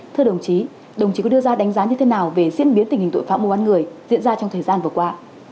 thưa đồng chí đồng chí có đưa ra đánh giá như thế nào về diễn biến tình hình tội phạm mua bán người diễn ra trong thời gian vừa qua